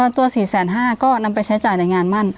ตัว๔๕๐๐ก็นำไปใช้จ่ายในงานมั่น